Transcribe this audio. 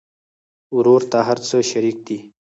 ورور ته هر څه شريک دي.